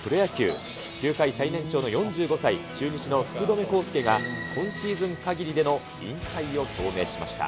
球界最年長の４５歳、中日の福留孝介が、今シーズンかぎりでの引退を表明しました。